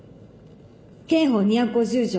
刑法２５０条